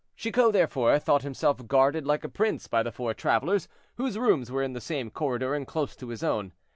Chicot, therefore, thought himself guarded like a prince by the four travelers, whose rooms were in the same corridor and close to his own.